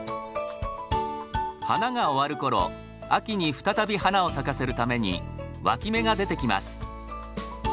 花が終わる頃秋に再び花を咲かせるためにわき芽が出てきます。